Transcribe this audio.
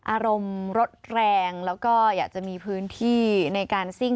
อารมณ์รถแรงแล้วก็อยากจะมีพื้นที่ในการซิ่ง